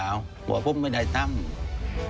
อันดับสุดท้าย